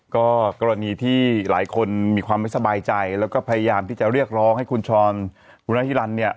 ก็กรณีที่หลายคนมีความไม่สบายใจแล้วก็พยายามที่จะเรียกร้องให้คุณชรคุณนาธิรันดิเนี่ย